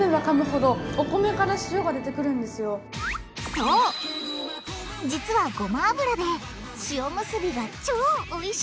そう実はごま油で塩むすびが超おいしくなるんだ！